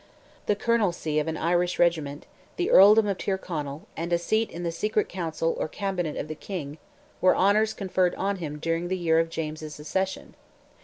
The colonelcy of an Irish regiment, the earldom of Tyrconnell, and a seat in the secret council or cabinet of the King, were honours conferred on him during the year of James's accession.